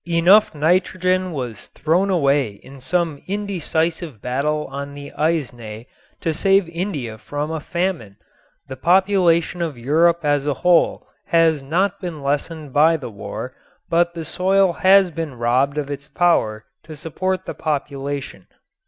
Enough nitrogen was thrown away in some indecisive battle on the Aisne to save India from a famine. The population of Europe as a whole has not been lessened by the war, but the soil has been robbed of its power to support the population.